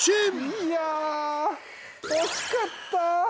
いや惜しかった！